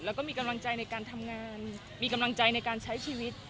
แล้วก็มีกำลังใจในการทำงานมีกำลังใจในการใช้ชีวิต